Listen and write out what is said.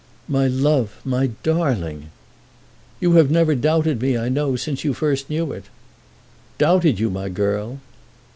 "My love; my darling!" "You have never doubted me, I know, since you first knew it." "Doubted you, my girl!"